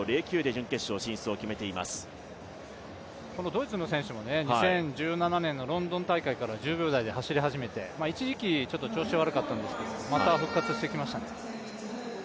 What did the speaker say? ドイツの選手も２０１７年のロンドン大会から１０秒台で走り始めて、一時期、調子悪かったんですがまた復活してきましたね。